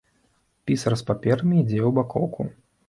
Пісар з паперамі ідзе ў бакоўку.